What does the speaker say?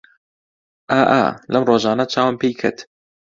ئا ئا لەم ڕۆژانە چاوم پێی کەت